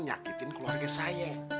nyakitin keluarga saya